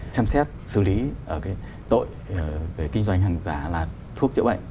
chăm xét xử lý tội về kinh doanh hàng giả là thuốc chữa bệnh